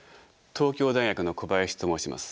東京大学の小林と申します。